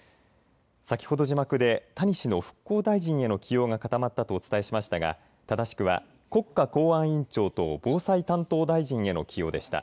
先ほど字幕で谷氏の復興大臣への起用が固まったとお伝えしましたが正しくは国家公安委員長と防災担当大臣の起用でした。